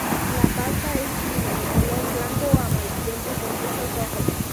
La pasta es firme, de color blanco o amarillento, con muchos ojos.